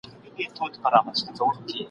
په پښتو مي سوګند کړی په انګار کي به درځمه ..